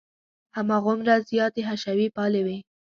هماغومره زیاتې حشوي پالې وې.